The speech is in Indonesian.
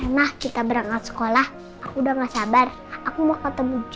karena kita berangkat sekolah aku udah gak sabar aku mau ketemu jana sama adi